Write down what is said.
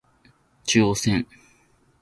中央線